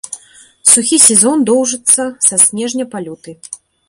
Сухі сезон доўжыцца са снежня па люты.